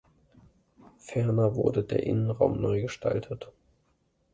Ferner wurde der Innenraum neu gestaltet.